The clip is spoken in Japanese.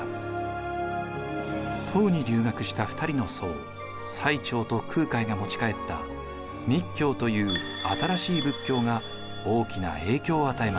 唐に留学した２人の僧最澄と空海が持ち帰った密教という新しい仏教が大きな影響を与えます。